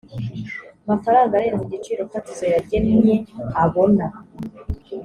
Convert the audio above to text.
mafaranga arenze igiciro fatizo yagennye abona